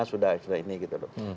sudah ini gitu loh